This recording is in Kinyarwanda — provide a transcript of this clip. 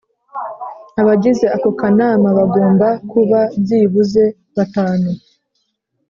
Abagize ako kanama bagomba kuba byibuze batanu